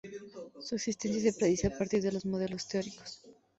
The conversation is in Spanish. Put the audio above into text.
Su existencia se predice a partir de modelos teóricos.